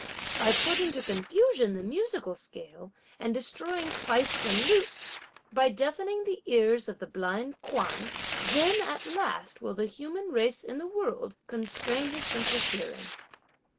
By putting to confusion the musical scale, and destroying fifes and lutes, by deafening the ears of the blind Kuang, then, at last, will the human race in the world constrain his sense of hearing.